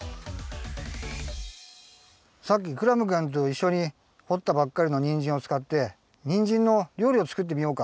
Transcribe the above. さっきクラムくんといっしょにほったばっかりのにんじんをつかってにんじんのりょうりをつくってみようか。